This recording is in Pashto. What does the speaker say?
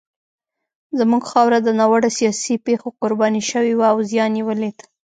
زموږ خاوره د ناوړه سیاسي پېښو قرباني شوې وه او زیان یې ولید.